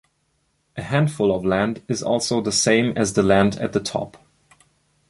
A handful of land is also the same as the land at the top.